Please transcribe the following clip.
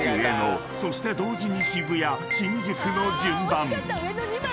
［そして同時に渋谷新宿の順番］